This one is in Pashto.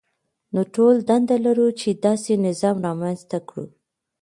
نو ټول دنده لرو چې داسې نظام رامنځته کړو.